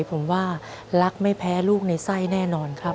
ผมว่ารักไม่แพ้ลูกในไส้แน่นอนครับ